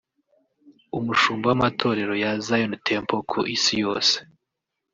umushumba w’amatorero ya Zion Temple ku isi yose